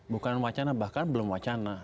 bukan wacana bahkan belum wacana